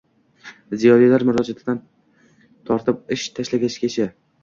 ziyolilar murojaatidan tortib ish tashlashgacha